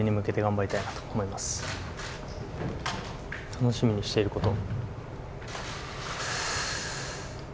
楽しみにしていること。